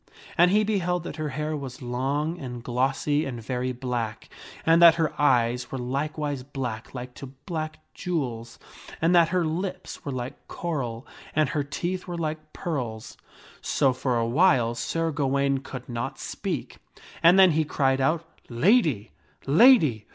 And he beheld that her hair was long and glossy and very black, and that her eyes were likewise black like to black jewels, and that her lips were like coral, and her teeth were like pearls. So, for a while, Sir Gawaine could not speak, and then he cried out, " Lady ! lady